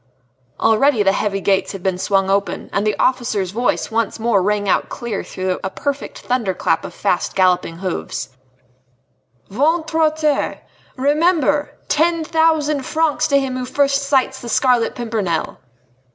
Already the heavy gates had been swung open, and the officer's voice once more rang out clear through a perfect thunder clap of fast galloping hoofs: "Ventre a terre! Remember! ten thousand francs to him who first sights the Scarlet Pimpernel!"